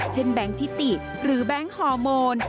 แบงค์ทิติหรือแบงค์ฮอร์โมน